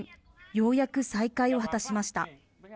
ようやく再会を果たしました。